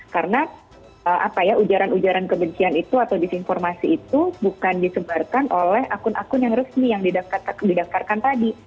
karena ujaran ujaran kebencian itu atau disinformasi itu bukan disebarkan oleh akun akun yang resmi yang didaftarkan tadi